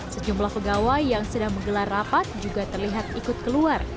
sejumlah pegawai yang sedang menggelar rapat juga terlihat ikut keluar